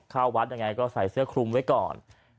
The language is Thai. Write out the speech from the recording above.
เข้าวัดยังไงก็ใส่เสื้อคลุมไว้ก่อน